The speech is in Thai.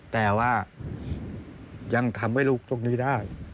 แต่ว่ายังทำให้ลูกตรงนี้ได้